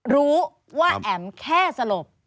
รู้ว่าแอ๋มแค่สลบ